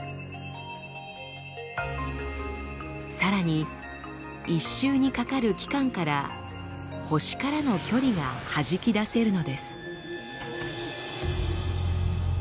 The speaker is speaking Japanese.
さらに１周にかかる期間から星からの距離がはじき出せるのです。